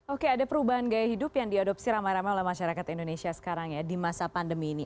oke ada perubahan gaya hidup yang diadopsi ramai ramai oleh masyarakat indonesia sekarang ya di masa pandemi ini